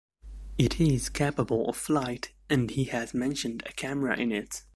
It is capable of flight and he has mentioned a camera in it.